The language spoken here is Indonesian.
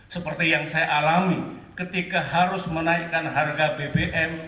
seperti yang saya alami ketika harus menaikkan harga bbm